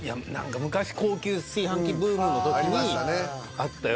昔高級炊飯器ブームの時にあったよ。